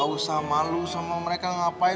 gak usah malu sama mereka ngapain